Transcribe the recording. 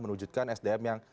menunjukkan sdm yang